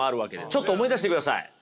ちょっと思い出してください。